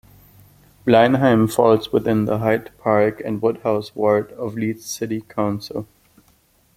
Bleinheim falls within the Hyde Park and Woodhouse ward of Leeds City Council.